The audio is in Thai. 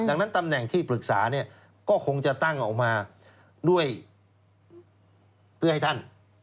ดังนั้นตำแหน่งที่ปรึกษาเนี่ยก็คงจะตั้งออกมาด้วยเพื่อให้ท่าน